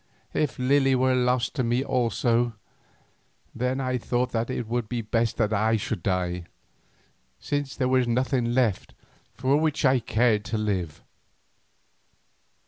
If Lily were lost to me also, then I thought that it would be best that I should die, since there was nothing left for which I cared to live.